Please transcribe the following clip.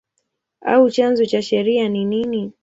au chanzo cha sheria ni nini?